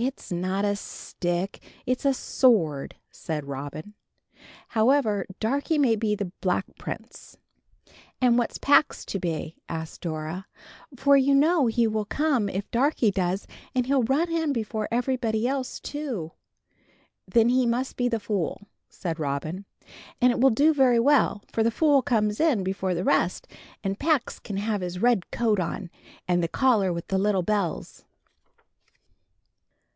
"It's not a stick, it's a sword," said Robin. "However, Darkie may be the Black Prince." "And what's Pax to be?" asked Dora; "for you know he will come if Darkie does, and he'll run in before everybody else too." "Then he must be the Fool," said Robin, "and it will do very well, for the Fool comes in before the rest, and Pax can have his red coat on, and the collar with the little bells."